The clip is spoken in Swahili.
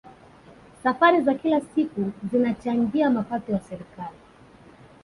safari za kila siku zinachangia mapato ya serikali